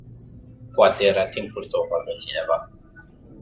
Poate era timpul să o facă cineva.